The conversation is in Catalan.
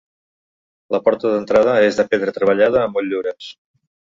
La porta d'entrada és de pedra treballada, amb motllures.